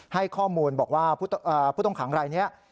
ให้ข้อมูลบอกว่าผู้ต้องขังรายนี้